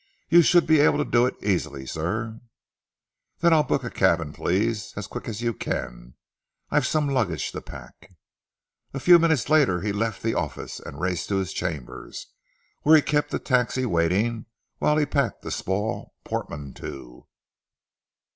You should be able to do it easily, sir." "Then I'll book a cabin, please. As quick as you can. I've some luggage to pack." A few minutes later he left the office, and raced to his chambers, where he kept the taxi waiting whilst he packed a small portmanteau.